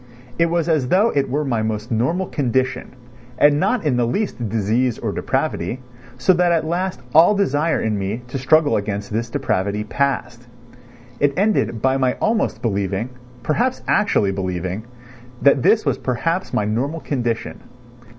It was as though it were my most normal condition, and not in the least disease or depravity, so that at last all desire in me to struggle against this depravity passed. It ended by my almost believing (perhaps actually believing) that this was perhaps my normal condition.